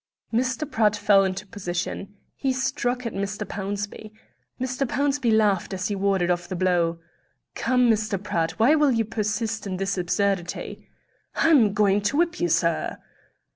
Mr. Pratt fell into position. He struck at Mr. Pownceby. Mr. Pownceby laughed as he warded off the blow. "Come, Mr. Pratt, why will you persist in this absurdity?" "I'm going to whip you, sir."